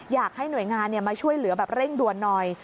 อยากให้หน่วยงานมาช่วยเหลือแบบเร่งด่วนหน่อย